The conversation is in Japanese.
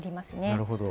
なるほど。